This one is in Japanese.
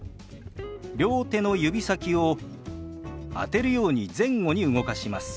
両手の指先を当てるように前後に動かします。